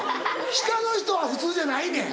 下の人は普通じゃないねん！